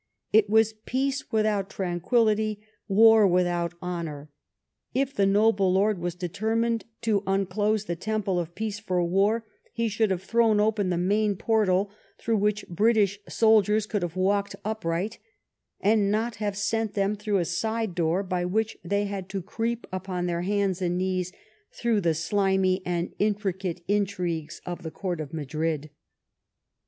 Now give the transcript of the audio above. '* It was peace without tranquillity, war without honour. ••, If the noble lord was determined to unclose the temple of peace for war, he should have thrown open the main portal through which British soldiers could have walked upright ; and not have sent them through a side door, by which they had to creep upon their hands and knees through the slimy and intricate intrigues of the court of Madrid.